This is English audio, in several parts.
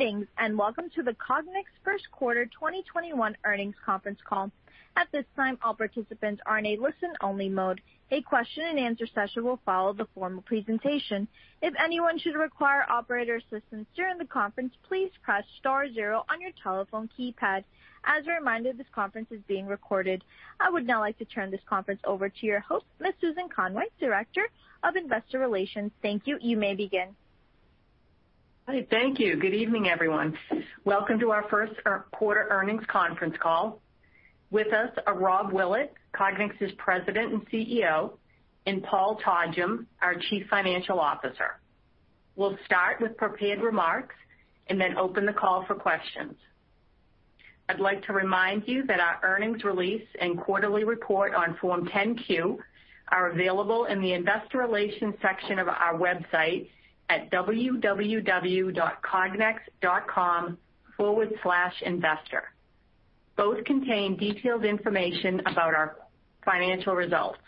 Greetings, and welcome to the Cognex First Quarter 2021 Earnings Conference Call. At this time, all participants are in a listen-only mode. A question-and-answer session will follow the formal presentation. If anyone should require operator assistance during the conference, please press star zero on your telephone keypad. As a reminder, this conference is being recorded. I would now like to turn this conference over to your host, Ms. Susan Conway, Director of Investor Relations. Thank you. You may begin. Hi. Thank you. Good evening, everyone. Welcome to our First Quarter Earnings Conference Call. With us are Rob Willett, Cognex's President and CEO, and Paul Todgham, our Chief Financial Officer. We'll start with prepared remarks and then open the call for questions. I'd like to remind you that our earnings release and quarterly report on Form 10-Q are available in the Investor Relations section of our website at www.cognex.com/investor. Both contain detailed information about our financial results.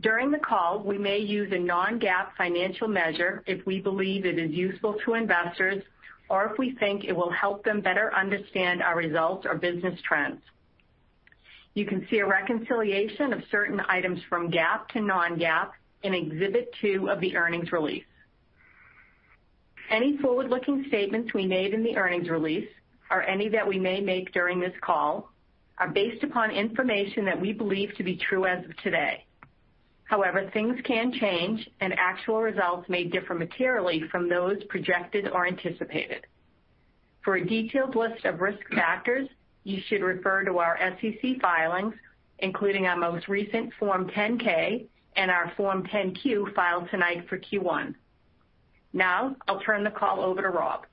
During the call, we may use a non-GAAP financial measure if we believe it is useful to investors or if we think it will help them better understand our results or business trends. You can see a reconciliation of certain items from GAAP to non-GAAP in Exhibit 2 of the earnings release. Any forward-looking statements we made in the earnings release or any that we may make during this call are based upon information that we believe to be true as of today. Things can change and actual results may differ materially from those projected or anticipated. For a detailed list of risk factors, you should refer to our SEC filings, including our most recent Form 10-K and our Form 10-Q filed tonight for Q1. I'll turn the call over to Rob.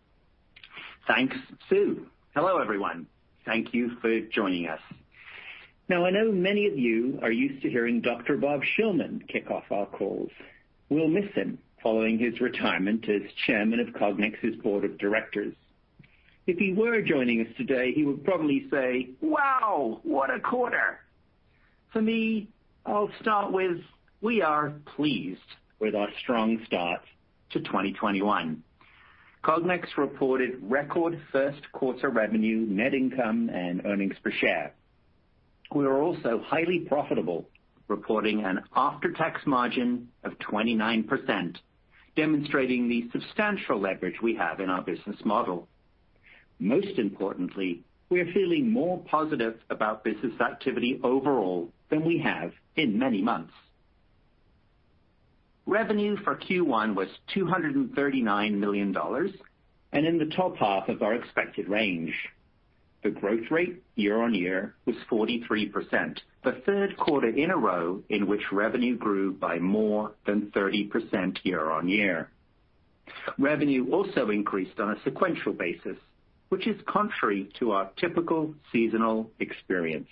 Thanks, Sue. Hello, everyone. Thank you for joining us. I know many of you are used to hearing Dr. Rob Shillman kick off our calls. We'll miss him following his retirement as chairman of Cognex's board of directors. If he were joining us today, he would probably say, "Wow, what a quarter." For me, I'll start with, we are pleased with our strong start to 2021. Cognex reported record first quarter revenue, net income, and earnings per share. We are also highly profitable, reporting an after-tax margin of 29%, demonstrating the substantial leverage we have in our business model. Most importantly, we are feeling more positive about business activity overall than we have in many months. Revenue for Q1 was $239 million, and in the top half of our expected range. The growth rate year-on-year was 43%, the third quarter in a row in which revenue grew by more than 30% year-on-year. Revenue also increased on a sequential basis, which is contrary to our typical seasonal experience.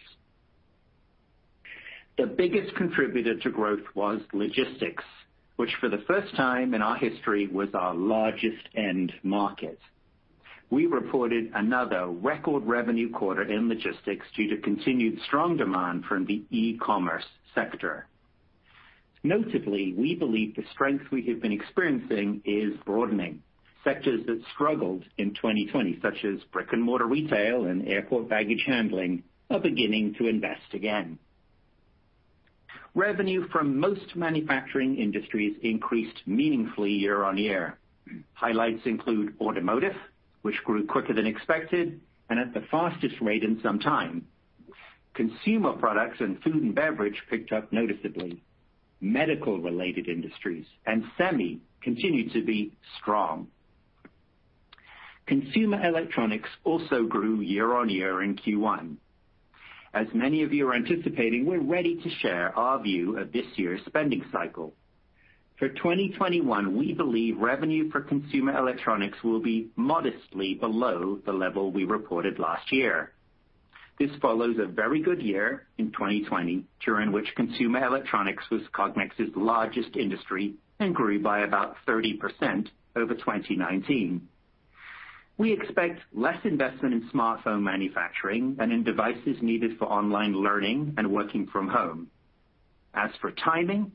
The biggest contributor to growth was logistics, which for the first time in our history, was our largest end market. We reported another record revenue quarter in logistics due to continued strong demand from the e-commerce sector. Notably, we believe the strength we have been experiencing is broadening. Sectors that struggled in 2020, such as brick and mortar retail, and airport baggage handling, are beginning to invest again. Revenue from most manufacturing industries increased meaningfully year-on-year. Highlights include automotive, which grew quicker than expected and at the fastest rate in some time. Consumer products and food and beverage picked up noticeably. Medical-related industries and semi continue to be strong. Consumer electronics also grew year-on-year in Q1. As many of you are anticipating, we're ready to share our view of this year's spending cycle. For 2021, we believe revenue for consumer electronics will be modestly below the level we reported last year. This follows a very good year in 2020, during which consumer electronics was Cognex's largest industry and grew by about 30% over 2019. We expect less investment in smartphone manufacturing than in devices needed for online learning and working from home. As for timing,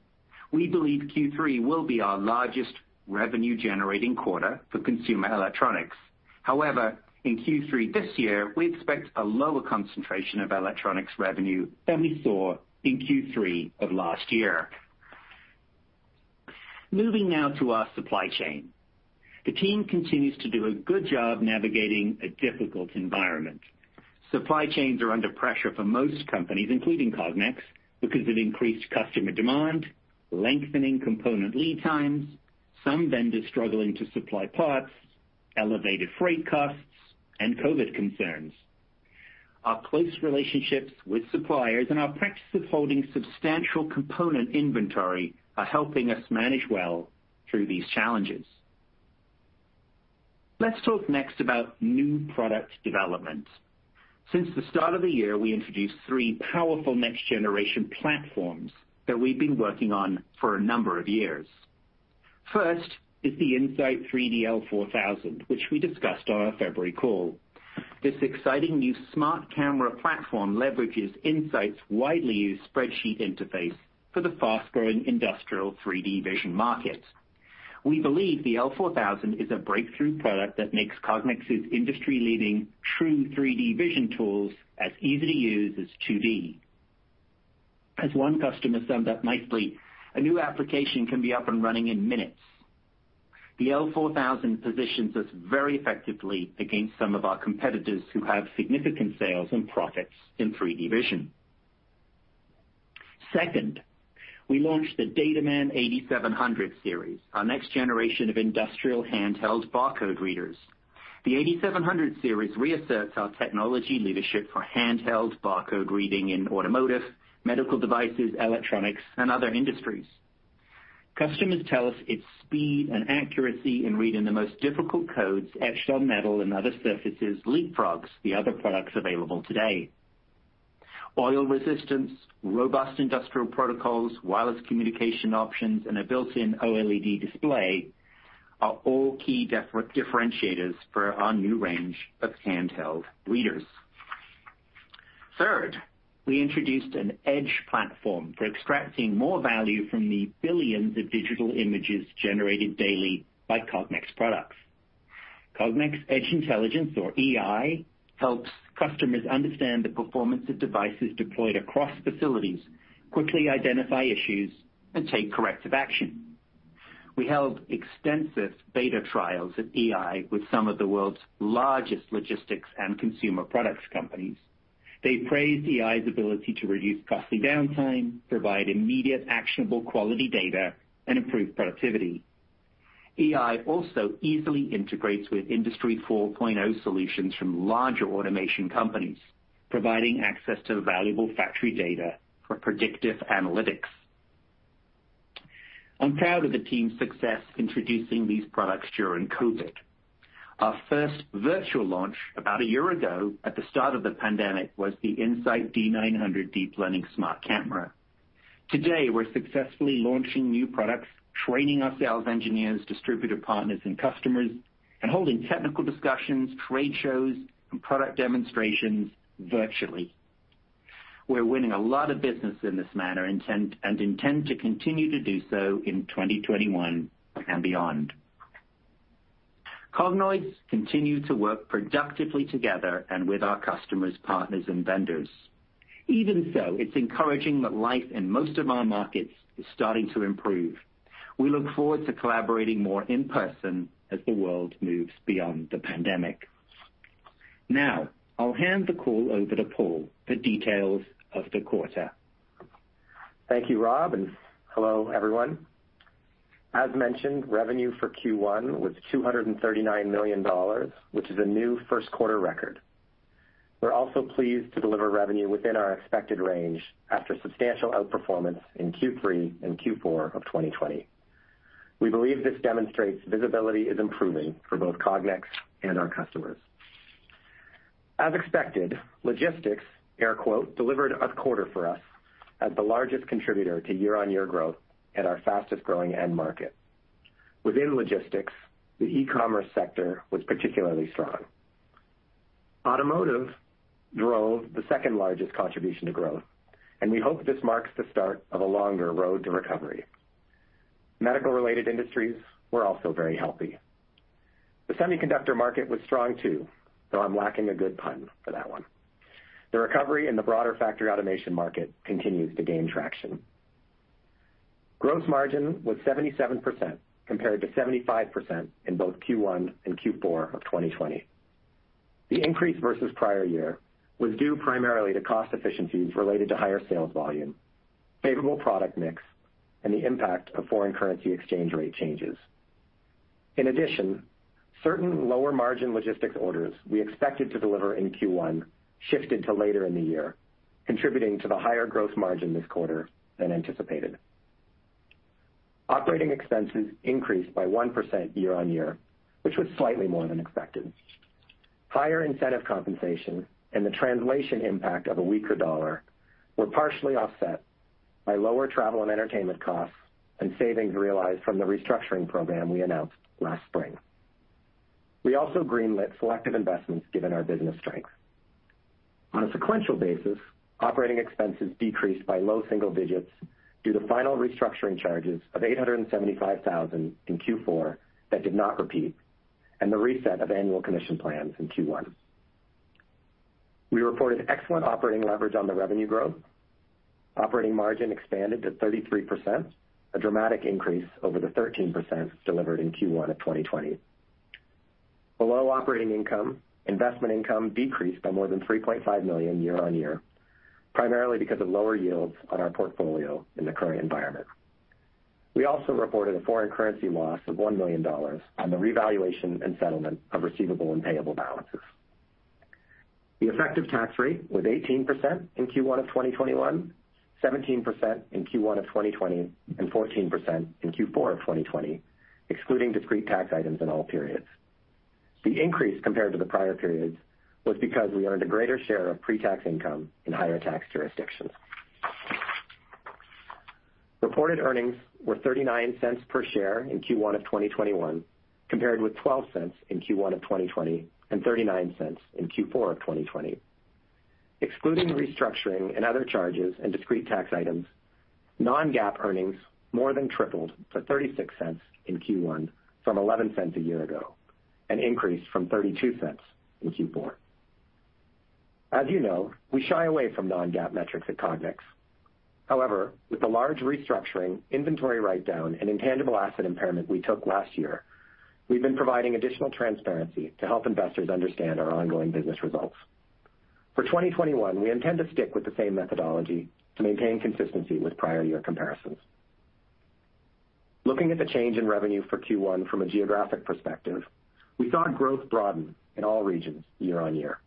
we believe Q3 will be our largest revenue-generating quarter for consumer electronics. However, in Q3 this year, we expect a lower concentration of electronics revenue than we saw in Q3 of last year. Moving now to our supply chain. The team continues to do a good job navigating a difficult environment. Supply chains are under pressure for most companies, including Cognex, because of increased customer demand, lengthening component lead times, some vendors struggling to supply parts, elevated freight costs, and COVID concerns. Our close relationships with suppliers and our practice of holding substantial component inventory are helping us manage well through these challenges. Let's talk next about new product development. Since the start of the year, we introduced three powerful next-generation platforms that we've been working on for a number of years. First is the In-Sight 3D-L4000, which we discussed on our February call. This exciting new smart camera platform leverages In-Sight's widely used spreadsheet interface for the fast-growing industrial 3D vision market. We believe the L4000 is a breakthrough product that makes Cognex's industry-leading true 3D vision tools as easy to use as 2D. As one customer summed up nicely, "A new application can be up and running in minutes." The L4000 positions us very effectively against some of our competitors who have significant sales and profits in 3D vision. Second, we launched the DataMan 8700 series, our next generation of industrial handheld barcode readers. The 8700 series reasserts our technology leadership for handheld barcode reading in automotive, medical devices, electronics, and other industries. Customers tell us its speed and accuracy in reading the most difficult codes etched on metal and other surfaces leapfrogs the other products available today. Oil resistance, robust industrial protocols, wireless communication options, and a built-in OLED display are all key differentiators for our new range of handheld readers. Third, we introduced an Edge platform for extracting more value from the billions of digital images generated daily by Cognex products. Cognex Edge Intelligence, or EI, helps customers understand the performance of devices deployed across facilities, quickly identify issues, and take corrective action. We held extensive beta trials of EI with some of the world's largest logistics and consumer products companies. They praised EI's ability to reduce costly downtime, provide immediate actionable quality data, and improve productivity. EI also easily integrates with Industry 4.0 solutions from larger automation companies, providing access to valuable factory data for predictive analytics. I'm proud of the team's success introducing these products during COVID. Our first virtual launch about a year ago at the start of the pandemic was the In-Sight D900 deep learning smart camera. Today, we're successfully launching new products, training our sales engineers, distributor partners, and customers, and holding technical discussions, trade shows, and product demonstrations virtually. We're winning a lot of business in this manner and intend to continue to do so in 2021 and beyond. Cognoids continue to work productively together and with our customers, partners, and vendors. Even so, it's encouraging that life in most of our markets is starting to improve. We look forward to collaborating more in person as the world moves beyond the pandemic. Now, I'll hand the call over to Paul for details of the quarter. Thank you, Rob, and hello, everyone. As mentioned, revenue for Q1 was $239 million, which is a new first quarter record. We are also pleased to deliver revenue within our expected range after substantial outperformance in Q3 and Q4 of 2020. We believe this demonstrates visibility is improving for both Cognex and our customers. As expected, logistics, air quote, "delivered a quarter for us as the largest contributor to year-on-year growth at our fastest-growing end market." Within logistics, the e-commerce sector was particularly strong. Automotive drove the second-largest contribution to growth, and we hope this marks the start of a longer road to recovery. Medical-related industries were also very healthy. The semiconductor market was strong, too, though I am lacking a good pun for that one. The recovery in the broader factory automation market continues to gain traction. Gross margin was 77%, compared to 75% in both Q1 and Q4 of 2020. The increase versus prior year was due primarily to cost efficiencies related to higher sales volume, favorable product mix, and the impact of foreign currency exchange rate changes. In addition, certain lower-margin logistics orders we expected to deliver in Q1 shifted to later in the year, contributing to the higher growth margin this quarter than anticipated. Operating expenses increased by 1% year-on-year, which was slightly more than expected. Higher incentive compensation and the translation impact of a weaker dollar were partially offset by lower travel and entertainment costs and savings realized from the restructuring program we announced last spring. We also greenlit selective investments given our business strength. On a sequential basis, operating expenses decreased by low single digits due to final restructuring charges of $875,000 in Q4 that did not repeat and the reset of annual commission plans in Q1. We reported excellent operating leverage on the revenue growth. Operating margin expanded to 33%, a dramatic increase over the 13% delivered in Q1 of 2020. Below operating income, investment income decreased by more than $3.5 million year-on-year, primarily because of lower yields on our portfolio in the current environment. We also reported a foreign currency loss of $1 million on the revaluation and settlement of receivable and payable balances. The effective tax rate was 18% in Q1 of 2021, 17% in Q1 of 2020, and 14% in Q4 of 2020, excluding discrete tax items in all periods. The increase compared to the prior periods was because we earned a greater share of pre-tax income in higher tax jurisdictions. Reported earnings were $0.39 per share in Q1 of 2021, compared with $0.12 in Q1 of 2020 and $0.39 in Q4 of 2020. Excluding the restructuring and other charges and discrete tax items, non-GAAP earnings more than tripled to $0.36 in Q1 from $0.11 a year ago, an increase from $0.32 in Q4. As you know, we shy away from non-GAAP metrics at Cognex. With the large restructuring, inventory write-down, and intangible asset impairment we took last year, we've been providing additional transparency to help investors understand our ongoing business results. For 2021, we intend to stick with the same methodology to maintain consistency with prior year comparisons. Looking at the change in revenue for Q1 from a geographic perspective, we saw growth broaden in all regions year-on-year.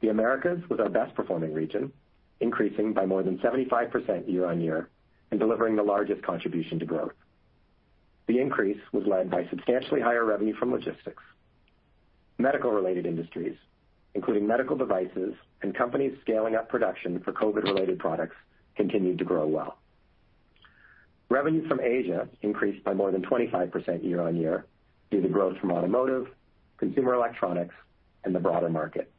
The Americas was our best performing region, increasing by more than 75% year-on-year and delivering the largest contribution to growth. The increase was led by substantially higher revenue from logistics. Medical-related industries, including medical devices and companies scaling up production for COVID-related products, continued to grow well. Revenue from Asia increased by more than 25% year-on-year due to growth from automotive, consumer electronics, and the broader market.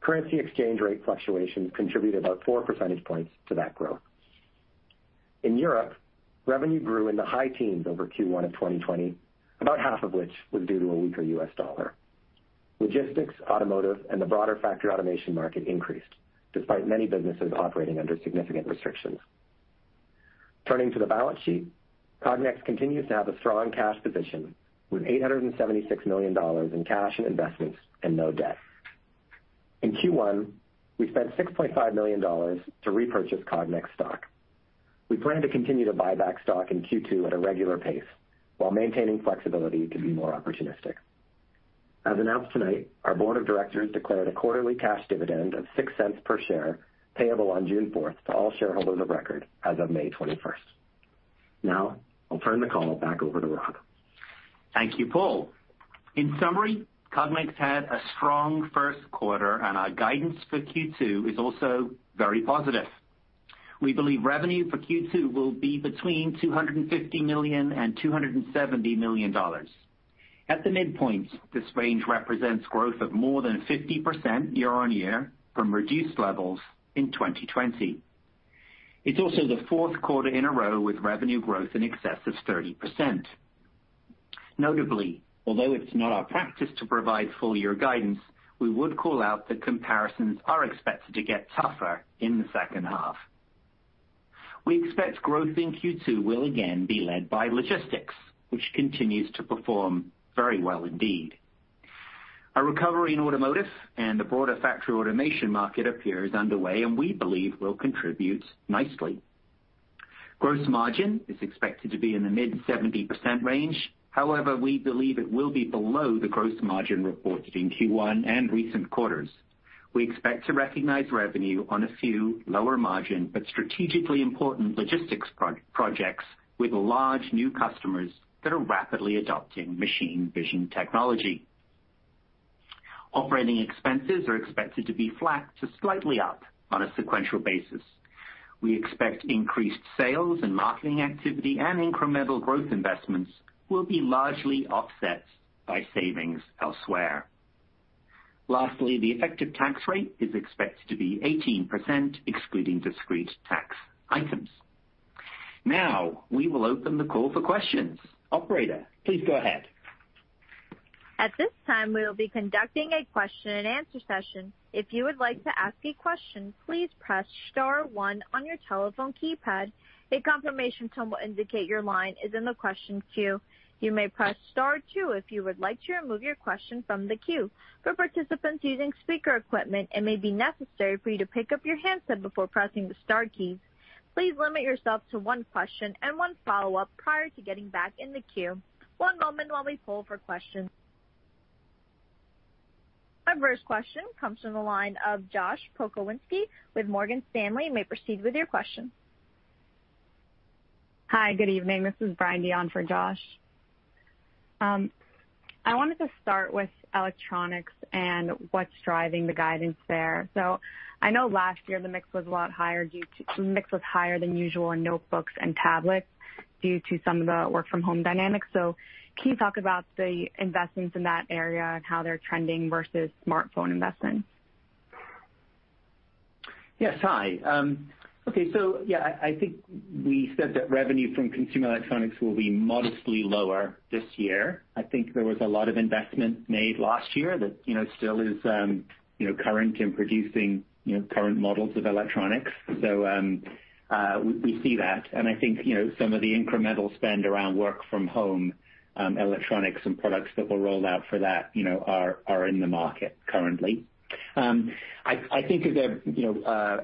Currency exchange rate fluctuations contributed about four percentage points to that growth. In Europe, revenue grew in the high teens over Q1 of 2020, about half of which was due to a weaker US dollar. Logistics, automotive, and the broader factory automation market increased despite many businesses operating under significant restrictions. Turning to the balance sheet, Cognex continues to have a strong cash position with $876 million in cash and investments and no debt. In Q1, we spent $6.5 million to repurchase Cognex stock. We plan to continue to buy back stock in Q2 at a regular pace while maintaining flexibility to be more opportunistic. As announced tonight, our board of directors declared a quarterly cash dividend of $0.06 per share, payable on June 4th to all shareholders of record as of May 21st. Now, I'll turn the call back over to Rob. Thank you, Paul. In summary, Cognex had a strong first quarter, and our guidance for Q2 is also very positive. We believe revenue for Q2 will be between $250 million and $270 million. At the midpoint, this range represents growth of more than 50% year-on-year from reduced levels in 2020. It's also the fourth quarter in a row with revenue growth in excess of 30%. Notably, although it's not our practice to provide full year guidance, we would call out that comparisons are expected to get tougher in the second half. We expect growth in Q2 will again be led by logistics, which continues to perform very well indeed. A recovery in automotive and the broader factory automation market appears underway and we believe will contribute nicely. Gross margin is expected to be in the mid 70% range. However, we believe it will be below the gross margin reported in Q1 and recent quarters. We expect to recognize revenue on a few lower margin but strategically important logistics projects with large new customers that are rapidly adopting machine vision technology. Operating expenses are expected to be flat to slightly up on a sequential basis. We expect increased sales and marketing activity and incremental growth investments will be largely offset by savings elsewhere. Lastly, the effective tax rate is expected to be 18%, excluding discrete tax items. Now, we will open the call for questions. Operator, please go ahead. At this time, we will be conducting a question-and-answer session. If you would like to ask a question, please press star one on your telephone keypad. A confirmation tone will indicate your line is in the question queue. You may press star two if you would like to remove your question from the queue. For participants using speaker equipment, it may be necessary for you to pick up your handset before pressing the star keys. Please limit yourself to one question and one follow-up prior to getting back in the queue. One moment while we poll for questions. Our first question comes from the line of Josh Pokrzywinski with Morgan Stanley. You may proceed with your question. Hi, good evening. This is Brandy on for Josh. I wanted to start with electronics and what's driving the guidance there. I know last year the mix was higher than usual in notebooks and tablets due to some of the work from home dynamics. Can you talk about the investments in that area and how they're trending versus smartphone investments? Yes. Hi. Okay. Yeah, I think we said that revenue from consumer electronics will be modestly lower this year. I think there was a lot of investment made last year that still is current in producing current models of electronics. We see that, and I think some of the incremental spend around work from home, electronics and products that were rolled out for that are in the market currently. I think of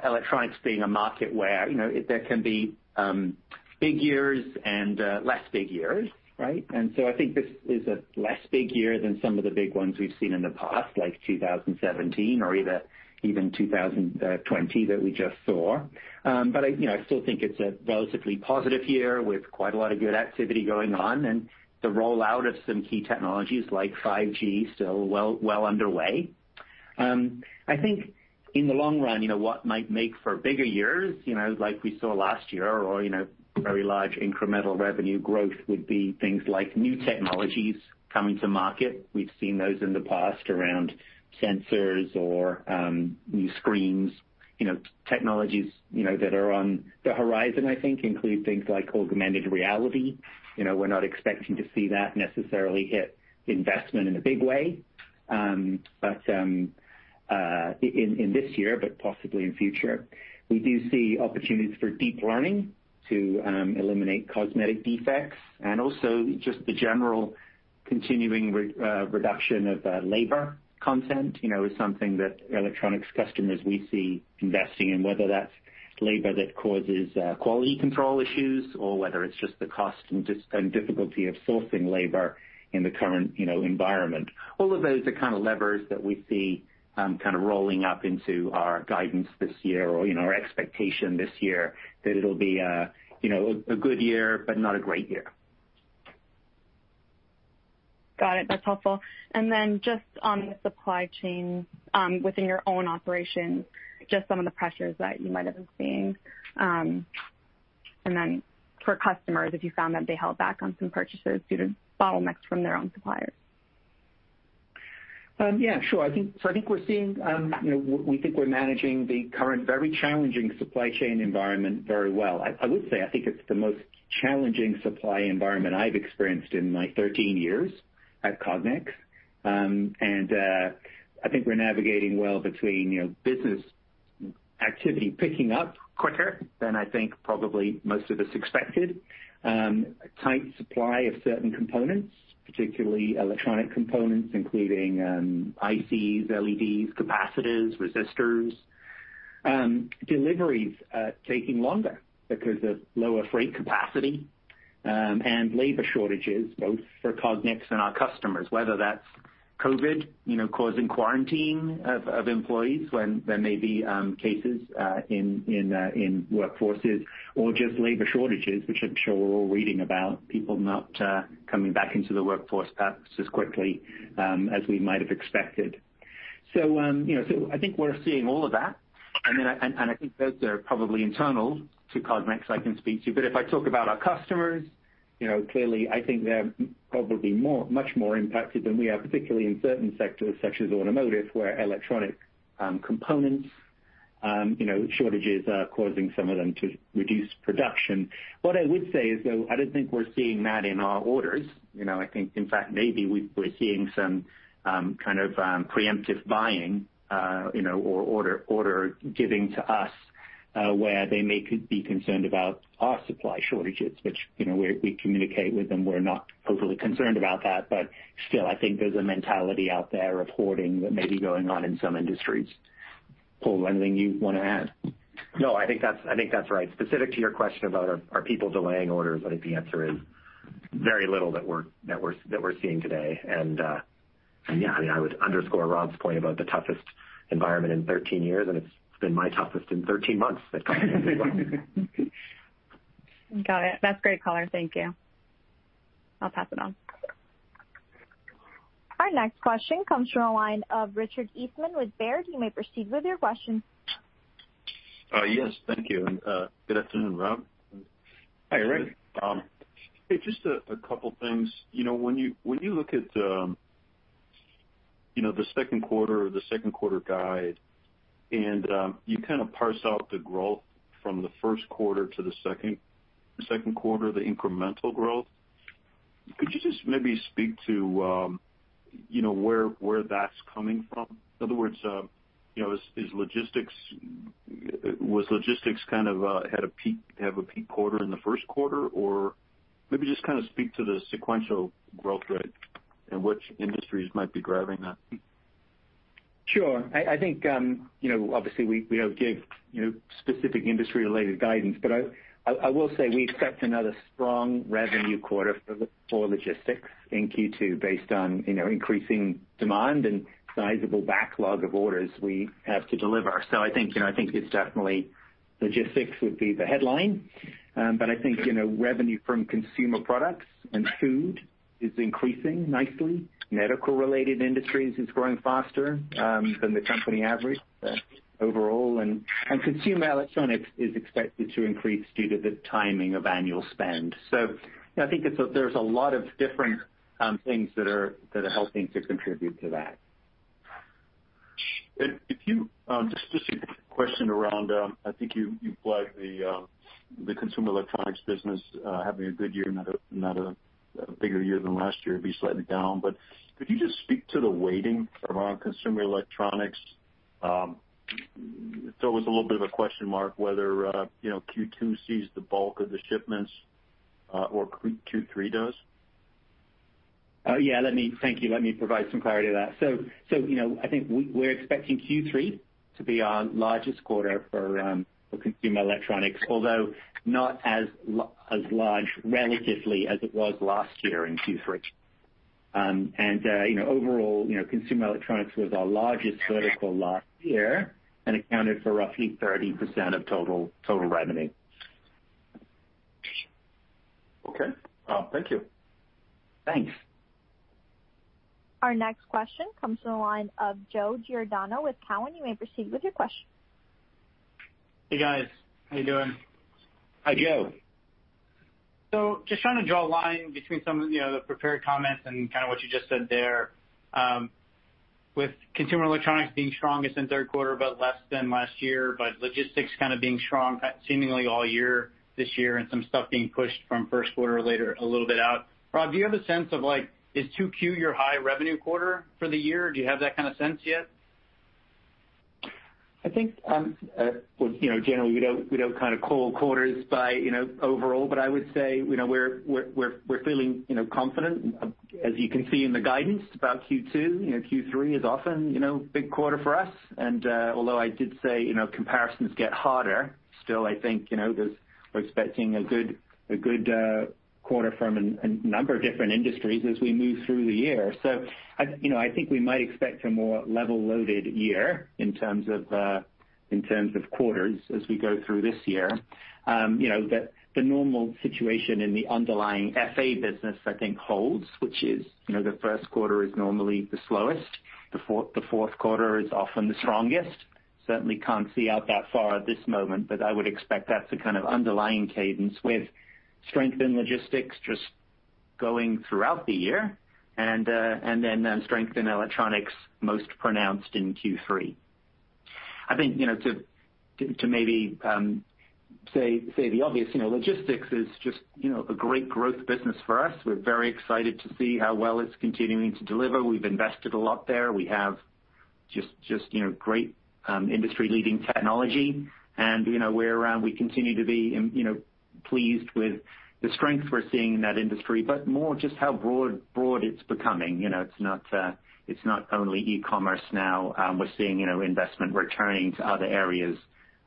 electronics being a market where there can be big years and less big years, right? I think this is a less big year than some of the big ones we've seen in the past, like 2017 or even 2020 that we just saw. I still think it's a relatively positive year with quite a lot of good activity going on and the rollout of some key technologies like 5G still well underway. I think in the long run, what might make for bigger years, like we saw last year, or very large incremental revenue growth would be things like new technologies coming to market. We've seen those in the past around sensors or new screens. Technologies that are on the horizon, I think, include things like augmented reality. We're not expecting to see that necessarily hit investment in a big way in this year, but possibly in future. We do see opportunities for deep learning to eliminate cosmetic defects, and also just the general continuing reduction of labor content is something that electronics customers we see investing in, whether that's labor that causes quality control issues or whether it's just the cost and difficulty of sourcing labor in the current environment. All of those are kind of levers that we see kind of rolling up into our guidance this year or our expectation this year that it'll be a good year, but not a great year. Got it. That's helpful. Just on the supply chain, within your own operations, just some of the pressures that you might have been seeing. For customers, if you found that they held back on some purchases due to bottlenecks from their own suppliers. Yeah, sure. I think we're managing the current very challenging supply chain environment very well. I would say, I think it's the most challenging supply environment I've experienced in my 13 years at Cognex. I think we're navigating well between business activity picking up quicker than I think probably most of us expected. Tight supply of certain components, particularly electronic components, including ICs, LEDs, capacitors, resistors. Deliveries taking longer because of lower freight capacity, and labor shortages both for Cognex and our customers, whether that's COVID causing quarantine of employees when there may be cases in workforces or just labor shortages, which I'm sure we're all reading about, people not coming back into the workforce perhaps as quickly as we might have expected. I think we're seeing all of that, and I think those are probably internal to Cognex I can speak to. If I talk about our customers, clearly, I think they're probably much more impacted than we are, particularly in certain sectors such as automotive, where electronic components shortages are causing some of them to reduce production. What I would say is, though, I don't think we're seeing that in our orders. I think, in fact, maybe we're seeing some kind of preemptive buying or order giving to us, where they may be concerned about our supply shortages, which we communicate with them. We're not overly concerned about that. Still, I think there's a mentality out there reporting that may be going on in some industries. Paul, anything you want to add? I think that's right. Specific to your question about are people delaying orders, I think the answer is very little that we're seeing today. Yeah, I would underscore Rob's point about the toughest environment in 13 years, and it's been my toughest in 13 months at Cognex. Got it. That's great color. Thank you. I'll pass it on. Our next question comes from the line of Richard Eastman with Baird. You may proceed with your question. Yes. Thank you, and good afternoon, Rob. Hi, Rich. Hey, just a couple things. When you look at the second quarter or the second quarter guide and you kind of parse out the growth from the first quarter to the second quarter, the incremental growth, could you just maybe speak to where that's coming from? In other words, was logistics kind of had a peak quarter in the first quarter, or maybe just kind of speak to the sequential growth rate and which industries might be driving that. Sure. I think, obviously, we don't give specific industry-related guidance, but I will say we expect another strong revenue quarter for logistics in Q2 based on increasing demand and sizable backlog of orders we have to deliver. I think it's definitely logistics would be the headline. I think, revenue from consumer products and food is increasing nicely. Medical-related industries is growing faster than the company average overall, and consumer electronics is expected to increase due to the timing of annual spend. I think there's a lot of different things that are helping to contribute to that. Just a question around, I think you flagged the consumer electronics business having a good year, not a bigger year than last year, be slightly down. Could you just speak to the weighting around consumer electronics? It's always a little bit of a question mark whether Q2 sees the bulk of the shipments or Q3 does. Yeah. Thank you. Let me provide some clarity on that. I think we're expecting Q3 to be our largest quarter for consumer electronics, although not as large relatively as it was last year in Q3. Overall, consumer electronics was our largest vertical last year and accounted for roughly 30% of total revenue. Okay. Thank you. Thanks. Our next question comes from the line of Joe Giordano with Cowen. You may proceed with your question. Hey, guys. How you doing? Hi, Joe. Just trying to draw a line between some of the prepared comments and kind of what you just said there. With consumer electronics being strongest in third quarter, but less than last year, but logistics kind of being strong seemingly all year this year, and some stuff being pushed from first quarter later a little bit out. Rob, do you have a sense of, is 2Q your high revenue quarter for the year? Do you have that kind of sense yet? I think, generally, we don't call quarters by overall, but I would say, we're feeling confident, as you can see in the guidance about Q2. Q3 is often a big quarter for us. Although I did say comparisons get harder, still, I think, we're expecting a good quarter from a number of different industries as we move through the year. I think we might expect a more level-loaded year in terms of quarters as we go through this year. The normal situation in the underlying FA business, I think, holds, which is, the first quarter is normally the slowest. The fourth quarter is often the strongest. Certainly can't see out that far at this moment, but I would expect that to kind of underlying cadence with strength in logistics just going throughout the year, and then strength in electronics most pronounced in Q3. I think, to maybe say the obvious, logistics is just a great growth business for us. We're very excited to see how well it's continuing to deliver. We've invested a lot there. We have just great industry-leading technology, and we continue to be pleased with the strength we're seeing in that industry, but more just how broad it's becoming. It's not only e-commerce now. We're seeing investment returning to other areas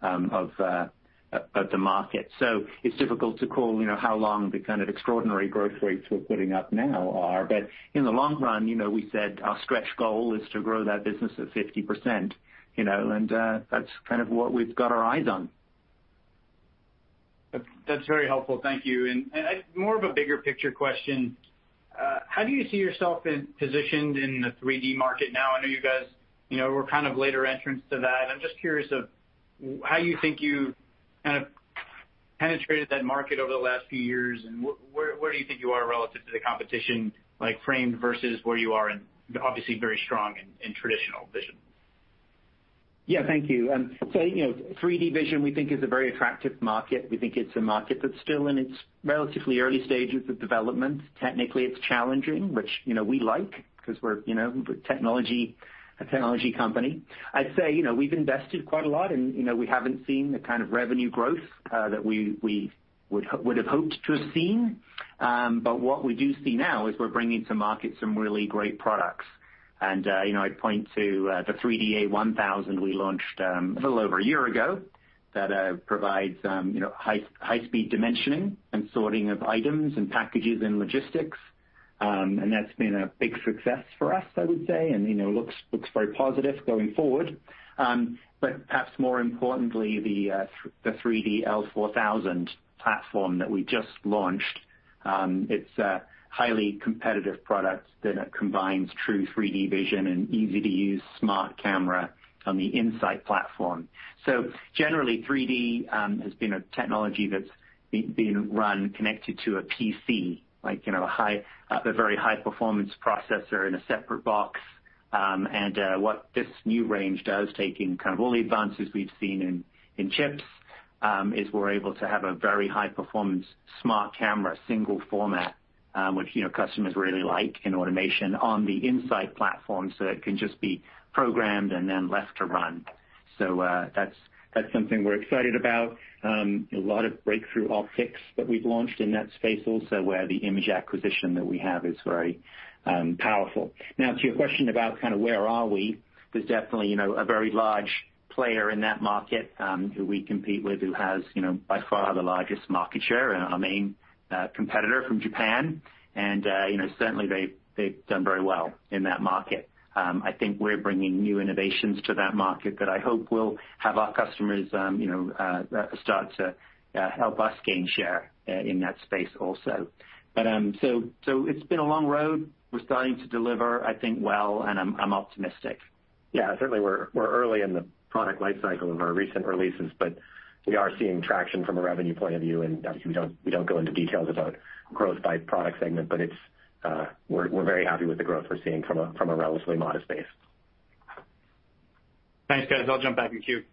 of the market. It's difficult to call how long the kind of extraordinary growth rates we're putting up now are. In the long run, we said our stretch goal is to grow that business at 50%, and that's kind of what we've got our eyes on. That's very helpful. Thank you. More of a bigger picture question. How do you see yourself positioned in the 3D market now? I know you guys were kind of later entrants to that. I'm just curious of how you think you kind of penetrated that market over the last few years, and where do you think you are relative to the competition, like framed versus where you are in, obviously, very strong in traditional vision? Thank you. 3D vision, we think is a very attractive market. We think it's a market that's still in its relatively early stages of development. Technically, it's challenging, which we like because we're a technology company. I'd say, we've invested quite a lot, and we haven't seen the kind of revenue growth that we would've hoped to have seen. What we do see now is we're bringing to market some really great products. I'd point to the 3D-A1000 we launched a little over a year ago that provides high-speed dimensioning and sorting of items and packages in logistics. That's been a big success for us, I would say, and looks very positive going forward. Perhaps more importantly, the In-Sight 3D-L4000 platform that we just launched, it's a highly competitive product that combines true 3D vision and easy-to-use smart camera on the In-Sight platform. Generally, 3D has been a technology that's been run connected to a PC, like a very high-performance processor in a separate box. What this new range does, taking kind of all the advances we've seen in chips, is we're able to have a very high-performance smart camera, single format, which customers really like in automation, on the In-Sight platform, so it can just be programmed and then left to run. That's something we're excited about. A lot of breakthrough optics that we've launched in that space also, where the image acquisition that we have is very powerful. To your question about where are we, there's definitely a very large player in that market, who we compete with, who has by far the largest market share, our main competitor from Japan. Certainly they've done very well in that market. I think we're bringing new innovations to that market that I hope will have our customers start to help us gain share in that space also. It's been a long road. We're starting to deliver, I think, well, and I'm optimistic. Yeah. Certainly, we're early in the product life cycle of our recent releases, but we are seeing traction from a revenue point of view, and obviously we don't go into details about growth by product segment, but we're very happy with the growth we're seeing from a relatively modest base. Thanks, guys. I'll jump back in queue.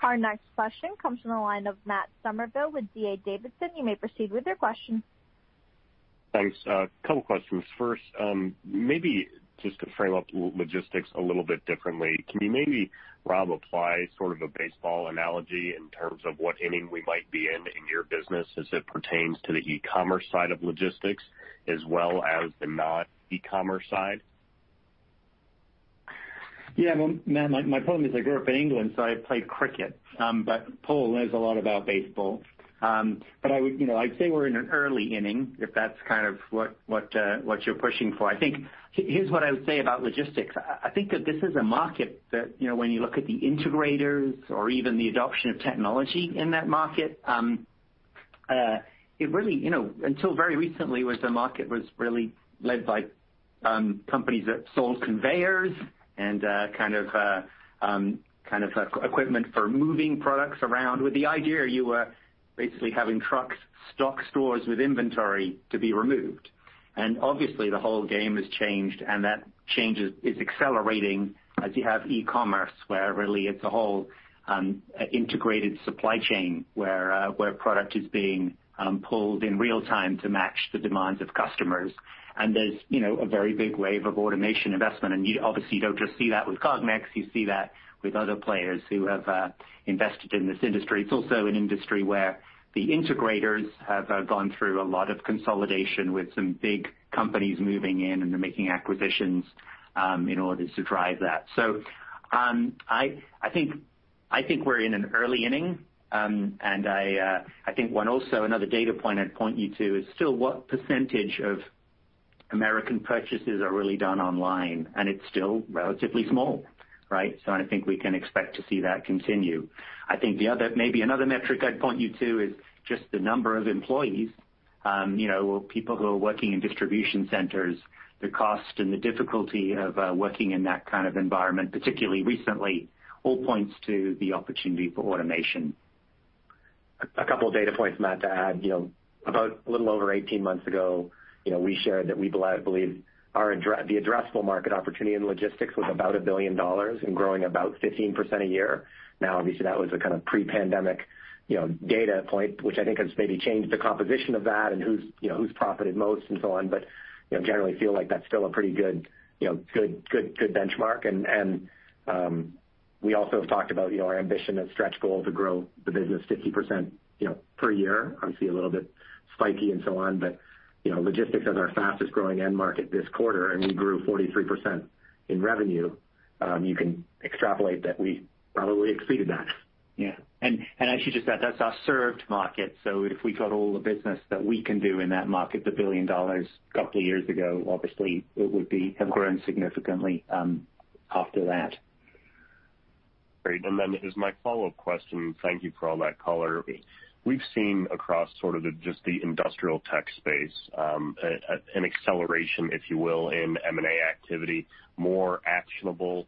Our next question comes from the line of Matt Summerville with D.A. Davidson. You may proceed with your question. Thanks. A couple questions. First, maybe just to frame up logistics a little bit differently, can you maybe, Rob, apply sort of a baseball analogy in terms of what inning we might be in your business as it pertains to the e-commerce side of logistics as well as the non-e-commerce side? Yeah. Well, Matt Summerville, my problem is I grew up in England, so I played cricket. Paul Todgham knows a lot about baseball. I'd say we're in an early inning, if that's kind of what you're pushing for. I think, here's what I would say about logistics. I think that this is a market that, when you look at the integrators or even the adoption of technology in that market, until very recently, the market was really led by companies that sold conveyors and equipment for moving products around with the idea you were basically having trucks stock stores with inventory to be removed. Obviously the whole game has changed, and that change is accelerating as you have e-commerce, where really it's a whole integrated supply chain where product is being pulled in real time to match the demands of customers. There's a very big wave of automation investment, and you obviously don't just see that with Cognex, you see that with other players who have invested in this industry. It's also an industry where the integrators have gone through a lot of consolidation with some big companies moving in and they're making acquisitions in order to drive that. I think we're in an early inning, and I think also another data point I'd point you to is still what percentage of American purchases are really done online, and it's still relatively small. I think we can expect to see that continue. I think maybe another metric I'd point you to is just the number of employees, people who are working in distribution centers, the cost and the difficulty of working in that kind of environment, particularly recently, all points to the opportunity for automation. A couple of data points, Matt, to add. About a little over 18 months ago, we shared that we believe the addressable market opportunity in logistics was about $1 billion and growing about 15% a year. Obviously, that was a kind of pre-pandemic data point, which I think has maybe changed the composition of that and who's profited most and so on. Generally feel like that's still a pretty good benchmark. We also have talked about our ambition and stretch goal to grow the business 50% per year. Obviously, a little bit spiky and so on, logistics is our fastest-growing end market this quarter, and we grew 43% in revenue. You can extrapolate that we probably exceeded that. Yeah. As you just said, that's our served market. If we got all the business that we can do in that market, the $1 billion a couple of years ago, obviously it would have grown significantly after that. Great. Then as my follow-up question, thank you for all that color. We've seen across sort of just the industrial tech space, an acceleration, if you will, in M&A activity, more actionable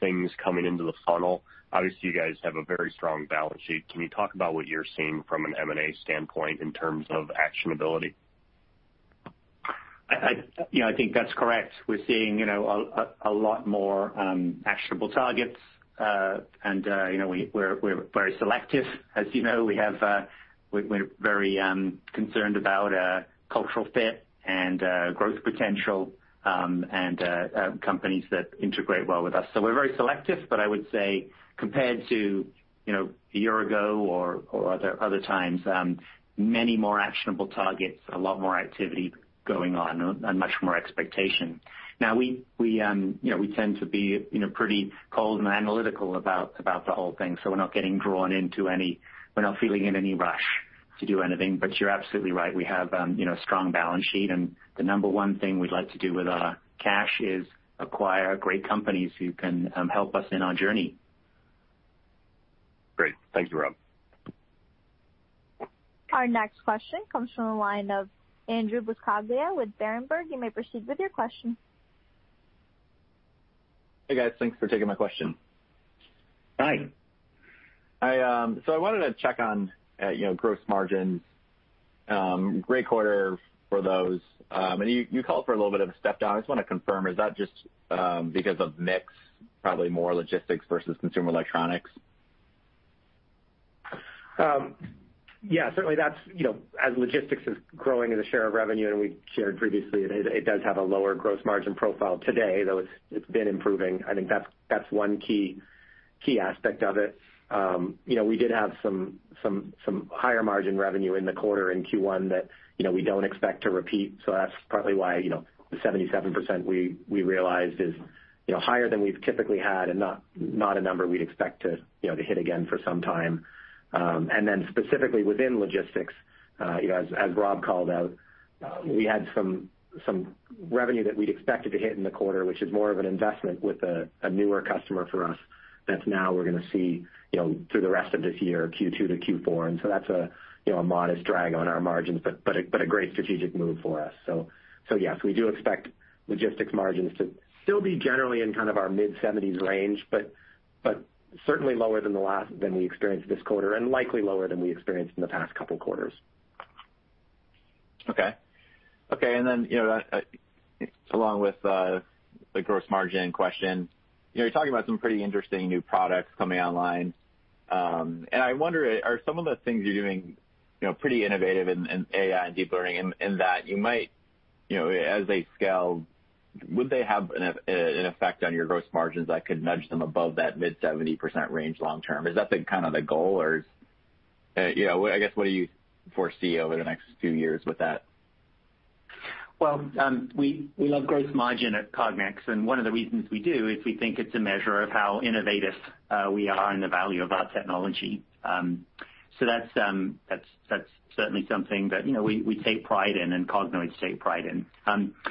things coming into the funnel. Obviously, you guys have a very strong balance sheet. Can you talk about what you're seeing from an M&A standpoint in terms of actionability? I think that's correct. We're seeing a lot more actionable targets. We're very selective. As you know, we're very concerned about cultural fit and growth potential, and companies that integrate well with us. We're very selective, but I would say compared to a year ago or other times, many more actionable targets, a lot more activity going on, and much more expectation. Now we tend to be pretty cold and analytical about the whole thing, so we're not getting drawn into. We're not feeling in any rush to do anything, but you're absolutely right. We have a strong balance sheet, and the number one thing we'd like to do with our cash is acquire great companies who can help us in our journey. Great. Thank you, Rob. Our next question comes from the line of Andrew Buscaglia with Berenberg. You may proceed with your question. Hey, guys. Thanks for taking my question. Hi. I wanted to check on gross margins. Great quarter for those. You called for a little bit of a step down. I just want to confirm, is that just because of mix, probably more logistics versus consumer electronics? Yeah, certainly as logistics is growing as a share of revenue, and we shared previously, it does have a lower gross margin profile today, though it's been improving. I think that's one key aspect of it. We did have some higher margin revenue in the quarter in Q1 that we don't expect to repeat. That's partly why the 77% we realized is higher than we've typically had and not a number we'd expect to hit again for some time. Specifically within logistics, as Rob called out, we had some revenue that we'd expected to hit in the quarter, which is more of an investment with a newer customer for us, that now we're going to see through the rest of this year, Q2 to Q4, and so that's a modest drag on our margins, but a great strategic move for us. Yes, we do expect logistics margins to still be generally in kind of our mid-70s range, but certainly lower than we experienced this quarter and likely lower than we experienced in the past couple quarters. Okay. Along with the gross margin question, you're talking about some pretty interesting new products coming online. I wonder, are some of the things you're doing pretty innovative in AI and deep learning in that you might, as they scale, would they have an effect on your gross margins that could nudge them above that mid-70% range long term? Is that the kind of the goal, or I guess, what do you foresee over the next few years with that? We love gross margin at Cognex, and one of the reasons we do is we think it's a measure of how innovative we are in the value of our technology. That's certainly something that we take pride in and Cognex take pride in.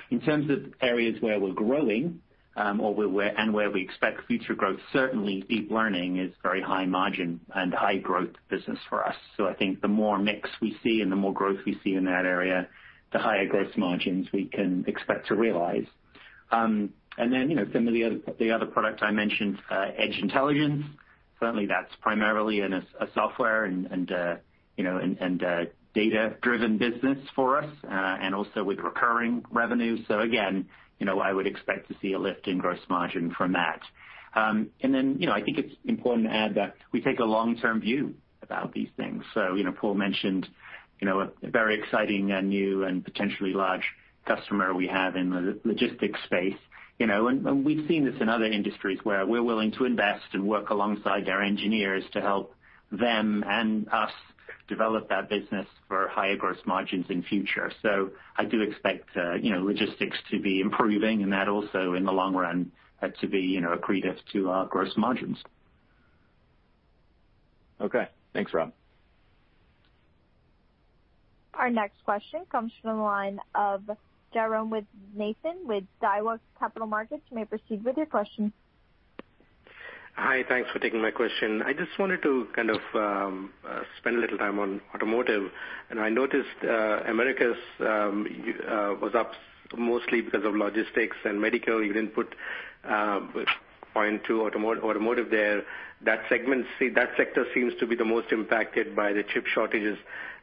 In terms of areas where we're growing, and where we expect future growth, certainly deep learning is very high margin and high growth business for us. I think the more mix we see and the more growth we see in that area, the higher gross margins we can expect to realize. Then, some of the other product I mentioned, Edge Intelligence, certainly that's primarily a software and data-driven business for us, and also with recurring revenue. Again, I would expect to see a lift in gross margin from that. I think it's important to add that we take a long-term view about these things. Paul mentioned a very exciting, new, and potentially large customer we have in the logistics space. We've seen this in other industries where we're willing to invest and work alongside their engineers to help them and us develop that business for higher gross margins in future. I do expect logistics to be improving and that also in the long run to be accretive to our gross margins. Okay. Thanks, Rob. Our next question comes from the line of Jairam Nathan with Daiwa Capital Markets. You may proceed with your question. Hi, thanks for taking my question. I just wanted to kind of spend a little time on automotive, and I noticed Americas was up mostly because of logistics and medical. You didn't put a point to automotive there. That sector seems to be the most impacted by the chip shortages.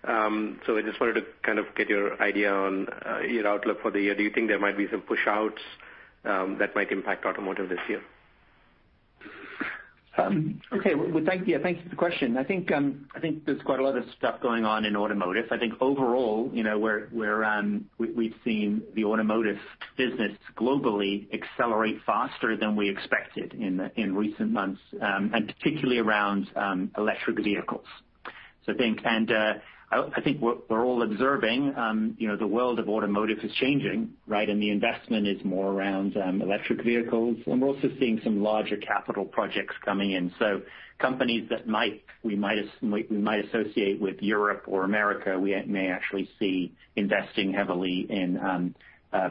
I just wanted to kind of get your idea on your outlook for the year. Do you think there might be some push-outs that might impact automotive this year? Okay. Well, thank you for the question. I think there's quite a lot of stuff going on in automotive. I think overall, we've seen the automotive business globally accelerate faster than we expected in recent months, and particularly around electric vehicles. I think we're all observing the world of automotive is changing, right? The investment is more around electric vehicles, and we're also seeing some larger capital projects coming in. Companies that we might associate with Europe or America, we may actually see investing heavily in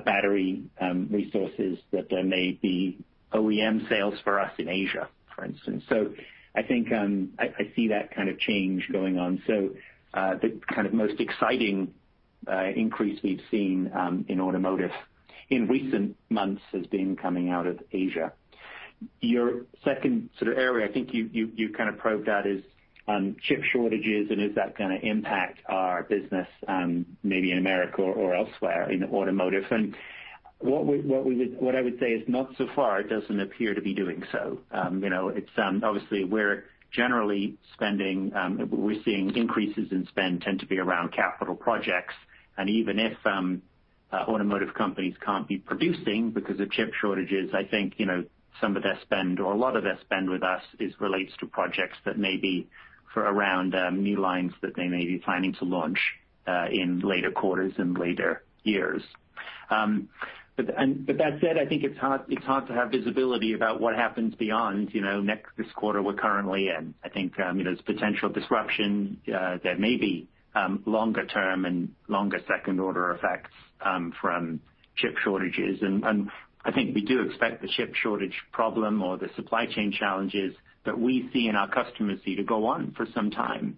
battery resources that there may be OEM sales for us in Asia, for instance. I think I see that kind of change going on. The kind of most exciting increase we've seen in automotive in recent months has been coming out of Asia. Your second sort of area, I think you kind of probed at is chip shortages and is that going to impact our business maybe in the U.S. or elsewhere in automotive? What I would say is not so far, it doesn't appear to be doing so. Obviously we're generally spending, we're seeing increases in spend tend to be around capital projects, and even if automotive companies can't be producing because of chip shortages, I think some of their spend or a lot of their spend with us is related to projects that may be for around new lines that they may be planning to launch in later quarters and later years. That said, I think it's hard to have visibility about what happens beyond this quarter we're currently in. I think there's potential disruption that may be longer term and longer second order effects from chip shortages. I think we do expect the chip shortage problem or the supply chain challenges that we see and our customers see to go on for some time.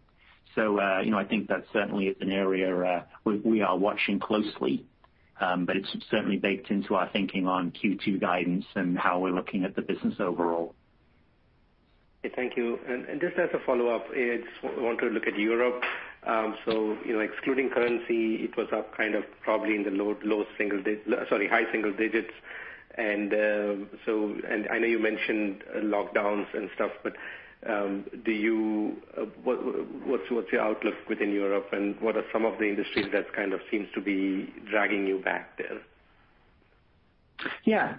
I think that certainly is an area we are watching closely, but it's certainly baked into our thinking on Q2 guidance and how we're looking at the business overall. Okay. Thank you. Just as a follow-up, I just want to look at Europe. Excluding currency, it was up kind of probably in the high single digits. I know you mentioned lockdowns and stuff. What's your outlook within Europe? What are some of the industries that kind of seems to be dragging you back there? Yeah.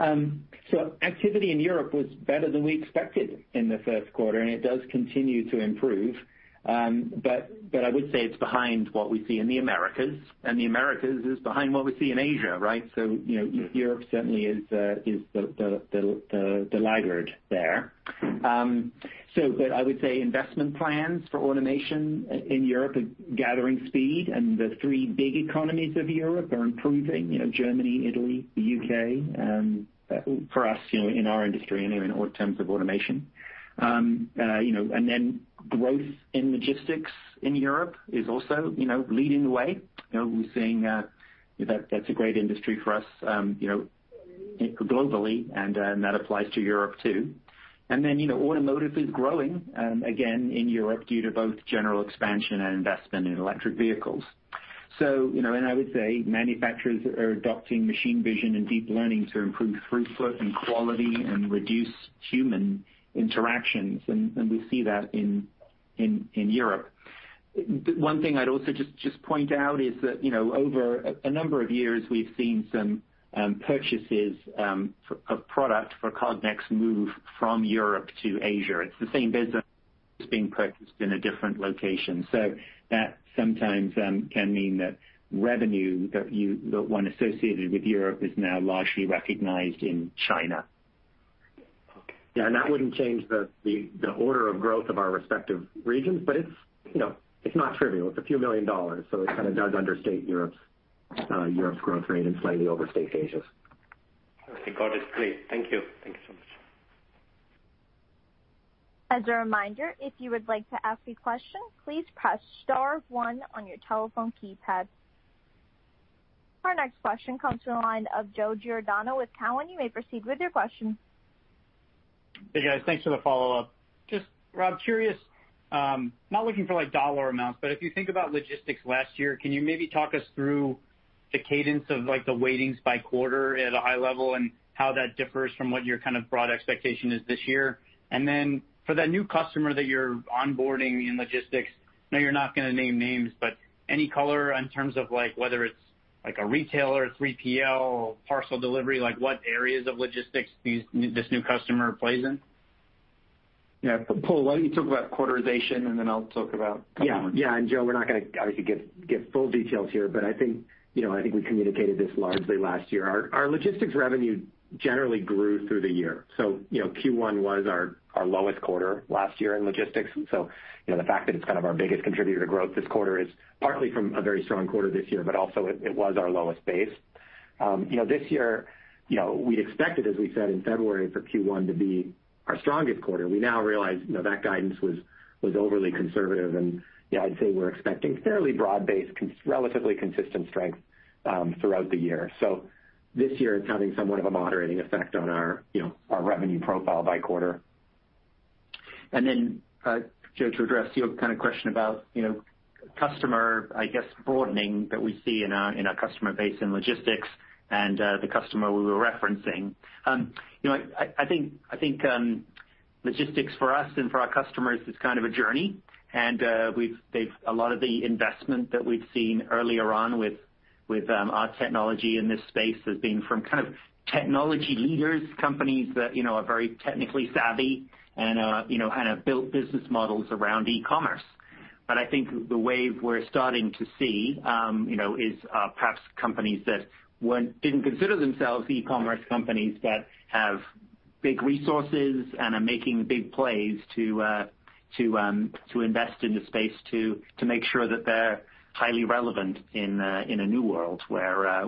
Activity in Europe was better than we expected in the first quarter, it does continue to improve. I would say it's behind what we see in the Americas, the Americas is behind what we see in Asia, right? Europe certainly is the laggard there. I would say investment plans for automation in Europe are gathering speed, the three big economies of Europe are improving. Germany, Italy, the U.K., for us, in our industry in terms of automation. Growth in logistics in Europe is also leading the way. We're seeing that's a great industry for us globally, that applies to Europe too. Automotive is growing again in Europe due to both general expansion and investment in electric vehicles. I would say manufacturers are adopting machine vision and deep learning to improve throughput and quality and reduce human interactions. We see that in Europe. One thing I'd also just point out is that over a number of years, we've seen some purchases of product for Cognex move from Europe to Asia. It's the same business. It's being purchased in a different location. That sometimes can mean that revenue, that one associated with Europe, is now largely recognized in China. Okay. That wouldn't change the order of growth of our respective regions, but it's not trivial. It's a few million dollars, so it kind of does understate Europe's growth rate and slightly overstate Asia's. Okay, got it. Great. Thank you. Thank you so much. As a reminder, if you would like to ask a question, please press star one on your telephone keypad. Our next question comes from the line of Joe Giordano with Cowen. You may proceed with your question. Hey, guys. Thanks for the follow-up. Just, Rob, curious, not looking for dollar amounts, but if you think about logistics last year, can you maybe talk us through the cadence of the weightings by quarter at a high level and how that differs from what your kind of broad expectation is this year? For that new customer that you're onboarding in logistics, I know you're not going to name names, but any color in terms of whether it's a retailer, 3PL, parcel delivery, what areas of logistics this new customer plays in? Yeah. Paul, why don't you talk about quarterization, and then I'll talk about a couple more. Yeah. Joe, we're not going to, obviously, give full details here, but I think we communicated this largely last year. Our logistics revenue generally grew through the year. Q1 was our lowest quarter last year in logistics. The fact that it's kind of our biggest contributor to growth this quarter is partly from a very strong quarter this year, but also it was our lowest base. This year, we expected, as we said in February, for Q1 to be our strongest quarter. We now realize that guidance was overly conservative, yeah, I'd say we're expecting fairly broad-based, relatively consistent strength, throughout the year. This year, it's having somewhat of a moderating effect on our revenue profile by quarter. Joe, to address your kind of question about customer broadening that we see in our customer base in logistics and the customer we were referencing, I think logistics for us and for our customers is kind of a journey. A lot of the investment that we've seen earlier on with our technology in this space has been from kind of technology leaders, companies that are very technically savvy and have built business models around e-commerce. I think the wave we're starting to see is perhaps companies that didn't consider themselves e-commerce companies that have big resources and are making big plays to invest in the space to make sure that they're highly relevant in a new world where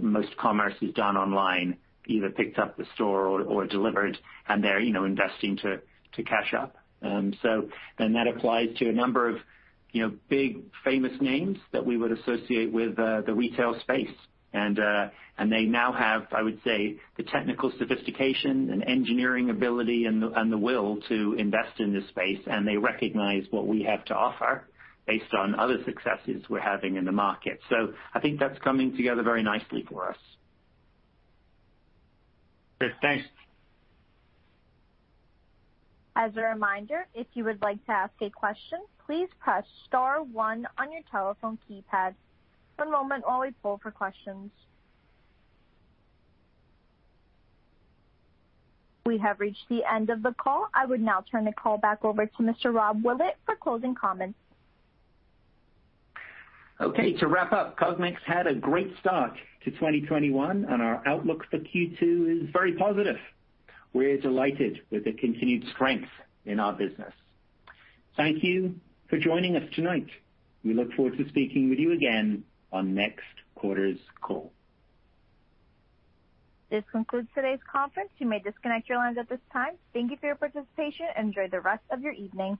most commerce is done online, either picked up at the store or delivered. They're investing to catch up. That applies to a number of big, famous names that we would associate with the retail space. They now have, I would say, the technical sophistication and engineering ability and the will to invest in this space, and they recognize what we have to offer based on other successes we're having in the market. I think that's coming together very nicely for us. Great. Thanks. As a reminder, if you would like to ask a question, please press star one on your telephone keypad. One moment while we poll for questions. We have reached the end of the call. I would now turn the call back over to Mr. Rob Willett for closing comments. Okay, to wrap up, Cognex had a great start to 2021, and our outlook for Q2 is very positive. We're delighted with the continued strength in our business. Thank you for joining us tonight. We look forward to speaking with you again on next quarter's call. This concludes today's conference. You may disconnect your lines at this time. Thank you for your participation. Enjoy the rest of your evening.